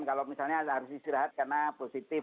kalau misalnya harus istirahat karena positif